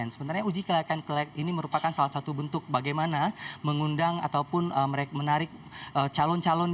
sebenarnya uji kelayakan kelek ini merupakan salah satu bentuk bagaimana mengundang ataupun menarik calon calon